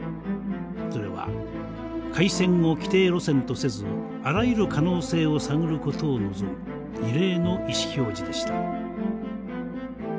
それは開戦を既定路線とせずあらゆる可能性を探ることを望む異例の意思表示でした。